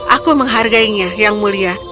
aku menghargainya yang mulia